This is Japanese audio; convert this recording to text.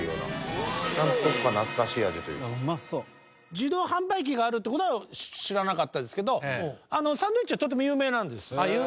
自動販売機があるって事は知らなかったですけどサンドウィッチはとても有名なんです。